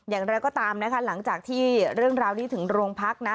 อย่างไรก็ตามนะคะหลังจากที่เรื่องราวนี้ถึงโรงพักนะ